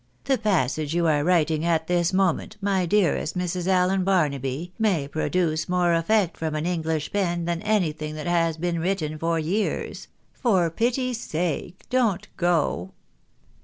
" The passage you are writing at this moment, my dearest Mrs. Allen Barnaby, may produce more effect from an English pen than anything that has been written for years. For pity's sake, don't go